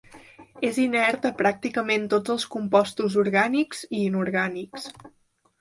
És inert a pràcticament tots els compostos orgànics i inorgànics.